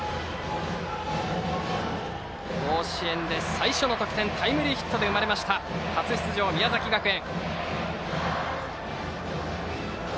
甲子園で最初の得点タイムリーヒットが生まれた初出場、宮崎学園。